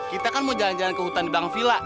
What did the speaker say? kita kan mau jalan jalan ke hutan di bang villa